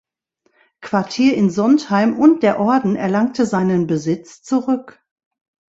Quartier in Sontheim und der Orden erlangte seinen Besitz zurück.